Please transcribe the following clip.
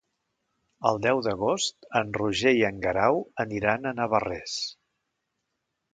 El deu d'agost en Roger i en Guerau aniran a Navarrés.